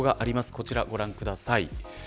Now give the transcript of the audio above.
こちらご覧ください。